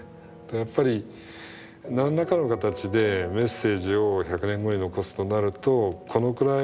やっぱり何らかの形でメッセージを１００年後に残すとなるとこのくらいの強さっていうか